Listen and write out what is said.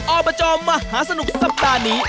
เอาประจอมมหาสนุกสัปดาห์นี้